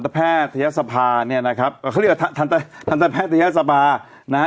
แพทยศภาเนี่ยนะครับเขาเรียกทันตแพทยศภานะฮะ